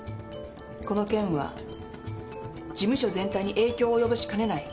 この件は事務所全体に影響を及ぼしかねない。